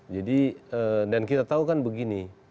jadi dan kita tahu kan begini